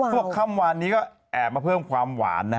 ก็ข้ำวานนี้แอบมาเพิ่มความหวาน